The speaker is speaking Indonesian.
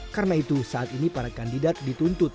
karena itu saat ini para kandidat dituntut